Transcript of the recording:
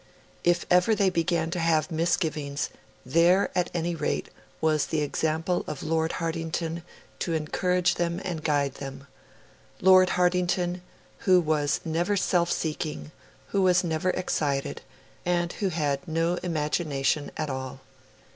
If ever they began to have misgivings, there, at any rate, was the example of Lord Hartington to encourage them and guide them Lord Hartington who was never self seeking, who was never excited, and who had no imagination at all.